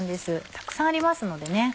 たくさんありますので。